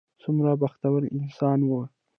څومره بختور انسان و.